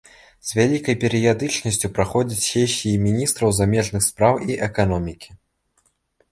З вялікай перыядычнасцю праходзяць сесіі міністраў замежных спраў і эканомікі.